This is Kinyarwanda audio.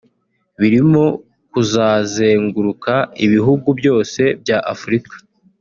birimo kuzazenguraka ibihugu byose bya Afurika